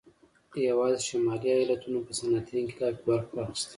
یوازې شمالي ایالتونو په صنعتي انقلاب کې برخه واخیسته